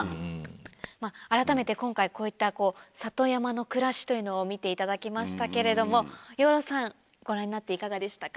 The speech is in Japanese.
改めて今回こういった里山の暮らしというのを見ていただきましたけれども養老さんご覧になっていかがでしたか？